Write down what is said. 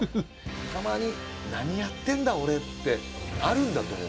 たまに「何やってんだ俺」ってあるんだと思う